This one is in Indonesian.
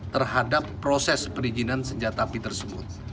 terhadap proses perizinan senjata api tersebut